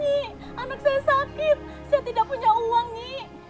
saya tidak punya uang nyi